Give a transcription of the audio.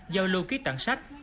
giao lưu ký tặng sách